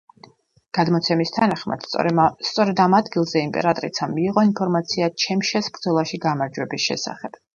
გადმოცემის თანახმად, სწორედ ამ ადგილზე იმპერატრიცამ მიიღო ინფორმაცია ჩეშმეს ბრძოლაში გამარჯვების შესახებ.